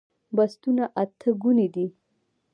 بستونه اته ګوني دي